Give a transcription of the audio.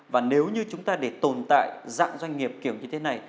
và nếu như chúng ta để tồn tại dạng doanh nghiệp kiểu như thế này